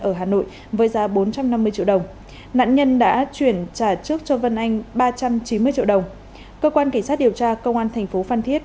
ở hà nội với giá bốn trăm năm mươi triệu đồng nạn nhân đã chuyển trả trước cho vân anh ba trăm chín mươi triệu đồng cơ quan cảnh sát điều tra công an thành phố phan thiết